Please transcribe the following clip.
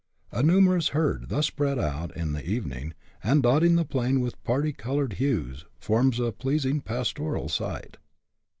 A numerous herd, thus spread out in the evening, and dotting the plain with party coloured hues, forms a pleasing pastoral sight.